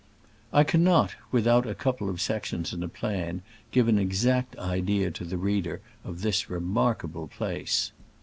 I cannot, without a couple of sections and a plan, give an exact idea to the reader of this remarkable place.